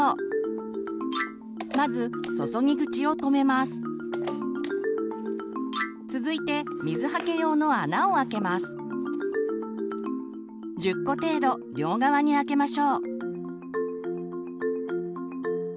まず続いて１０個程度両側に開けましょう。